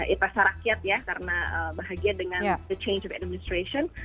investasi rakyat ya karena bahagia dengan the change of administration